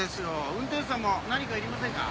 運転手さんも何かいりませんか？